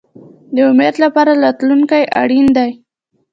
د امید لپاره راتلونکی اړین دی